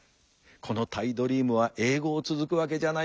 このタイドリームは永ごう続くわけじゃない。